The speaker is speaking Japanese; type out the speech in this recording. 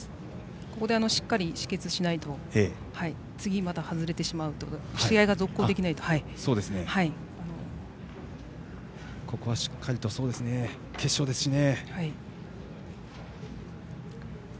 ここでしっかり止血しないと次また外れてしまうとここはしっかりと決勝ですしね。